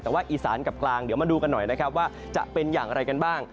แต่ว่าอีสานกับกลางเดี๋ยวมาดูกันหน่อยนะครับว่าจะเป็นอย่างไรกันบ้าง